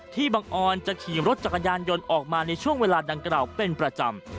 บังออนจะขี่รถจักรยานยนต์ออกมาในช่วงเวลาดังกล่าวเป็นประจำ